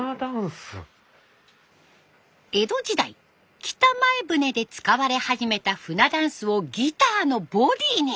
江戸時代北前船で使われ始めた船箪笥をギターのボディーに。